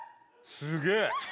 すげえ。